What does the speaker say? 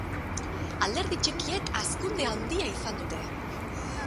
Alderdi txikiek hazkunde handia izan dute.